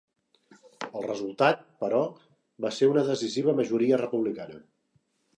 El resultat, però, va ser una decisiva majoria republicana.